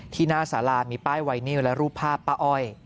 หน้าสารามีป้ายไวนิวและรูปภาพป้าอ้อย